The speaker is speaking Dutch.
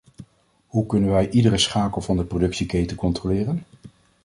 Hoe kunnen wij iedere schakel van de productieketen controleren?